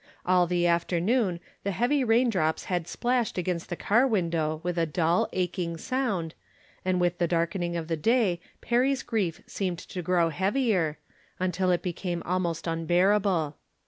All the af ternoon the heavy rain drops had splashed against the car window with a dull, aching sound, and with the darkening of the day Perry's grief seemed to grow heavier, until it became almost unbearable.